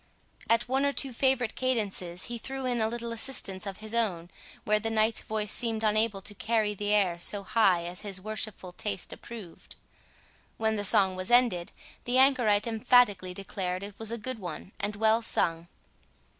At one or two favourite cadences, he threw in a little assistance of his own, where the knight's voice seemed unable to carry the air so high as his worshipful taste approved. When the song was ended, the anchorite emphatically declared it a good one, and well sung.